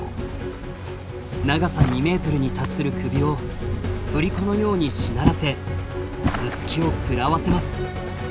長さ２ｍに達する首を振り子のようにしならせ頭突きを食らわせます！